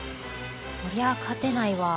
こりゃ勝てないわ。